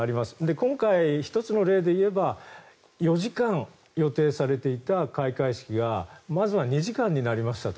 今回、１つの例で言えば４時間予定されていた開会式がまずは２時間になりましたと。